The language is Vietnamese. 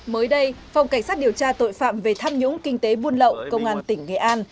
mới đây phòng cảnh sát điều tra tội phạm về tham nhũng kinh tế buôn lậu công an tỉnh nghệ an